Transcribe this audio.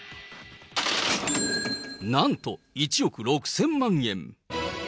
なんと１億６０００万円。